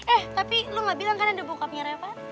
eh tapi lo gak bilang kan ada bokapnya revan